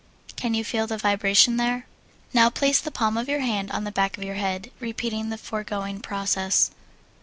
Can you feel the vibration there? Now place the palm of your hand on the back of your head, repeating the foregoing process.